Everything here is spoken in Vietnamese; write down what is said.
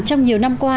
trong nhiều năm qua